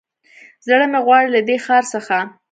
زړه مې غواړي له دې ښار څخه